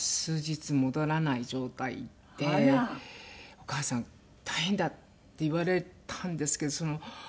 「お母さん大変だ」って言われたんですけど。